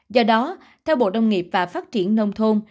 do đó theo bộ nông nghiệp và phát triển nông thôn